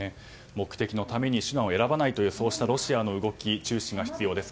目的のために手段を選ばないというそうしたロシアの動き注視が必要です。